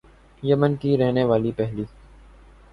یمن کی رہنے والی پہلی